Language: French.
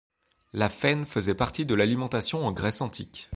La faîne faisait partie de l'alimentation en Grèce antique.